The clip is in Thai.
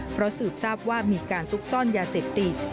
เพราะสืบทราบว่ามีการซุกซ่อนยาเสพติด